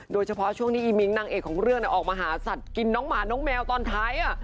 บรรณนี้อิมิงนางเอกของเรื่องออกมาหาสัตว์กินน้องหมอน้องแมวตอนเท้ะ